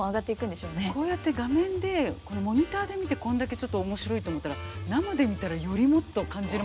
こうやって画面でモニターで見てこんだけ面白いと思ったら生で見たらよりもっと感じるものいっぱい。